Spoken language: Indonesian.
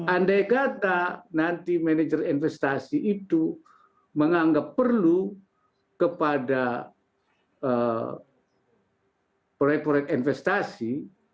andai kata nanti manajer investasi itu menganggap perlu kepada proyek proyek investasi